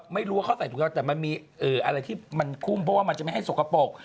ไม่รู้ว่าเขาใส่ถุงเท้าแต่มันมีอะไรที่มันคุ้มเพราะว่ามันจะไม่ให้สกปรก